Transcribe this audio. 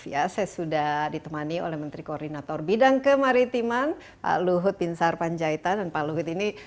saya sudah ditemani oleh menteri koordinator bidang kemaritiman pak luhut bin sarpanjaitan dan pak luhut ini